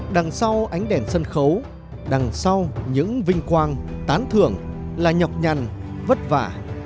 đằng sau ánh đèn sân khấu đằng sau những vinh quang tán thưởng là nhọc nhằn vất vả